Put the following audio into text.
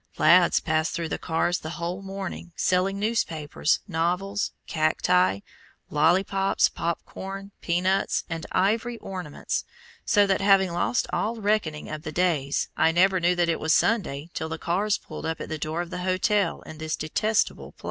Lads passed through the cars the whole morning, selling newspapers, novels, cacti, lollypops, pop corn, pea nuts, and ivory ornaments, so that, having lost all reckoning of the days, I never knew that it was Sunday till the cars pulled up at the door of the hotel in this detestable place.